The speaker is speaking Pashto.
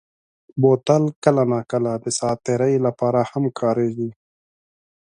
بوتل کله ناکله د ساعت تېرۍ لپاره هم کارېږي.